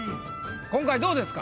今回どうですか？